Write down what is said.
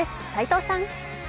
齋藤さん。